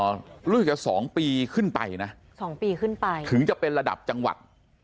รู้สึกจะสองปีขึ้นไปนะสองปีขึ้นไปถึงจะเป็นระดับจังหวัด